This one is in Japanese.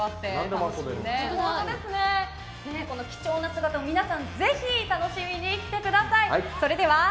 この貴重な姿を皆さんぜひ楽しみに来てください。